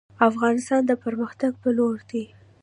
افغانستان د پرمختګ په لور دی